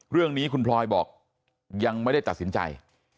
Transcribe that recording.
เรื่องนี้คุณพลอยบอกยังไม่ได้ตัดสินใจ